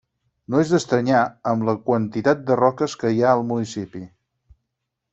No és d’estranyar, amb la quantitat de roques que hi ha al municipi.